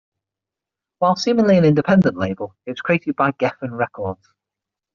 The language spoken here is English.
While seemingly an independent label, it was created by Geffen Records.